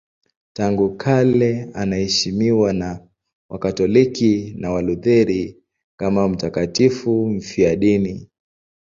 Tangu kale anaheshimiwa na Wakatoliki na Walutheri kama mtakatifu mfiadini.